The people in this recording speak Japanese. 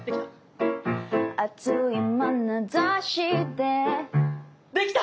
あついまなざしでできた！